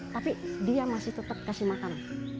tapi dia masih tetap kasih makan